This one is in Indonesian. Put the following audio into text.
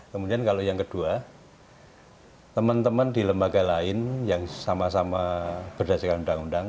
kemudian kalau yang kedua teman teman di lembaga lain yang sama sama berdasarkan undang undang